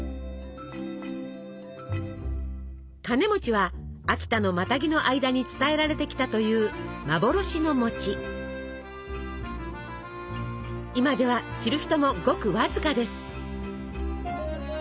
カネは秋田のマタギの間に伝えられて今では知る人もごくわずかです。